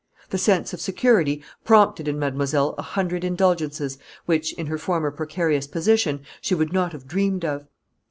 The sense of security prompted in mademoiselle a hundred indulgences which, in her former precarious position, she would not have dreamed of.